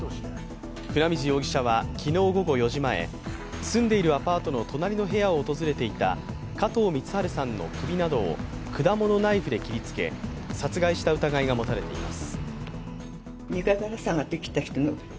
船水容疑者は昨日午後４時前、住んでいるアパートの隣の部屋を訪れていた加藤光晴さんの首などを果物ナイフで切りつけ、殺害した疑いが持たれています。